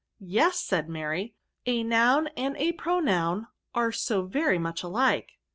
*"Yes;" said Mary, " a noun and a pro noun are so very much alike."